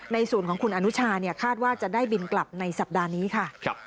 ในส่วนของคุณอนุชาคาดว่าจะได้บินกลับในสัปดาห์นี้ค่ะ